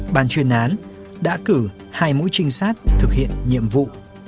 bàn chuyên án đã cử hai mũi trinh sát thực hiện nhiệm vụ